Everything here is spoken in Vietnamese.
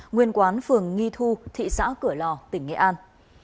nguyên quán phường nghi thu thị xã cửa lò tỉnh nghệ an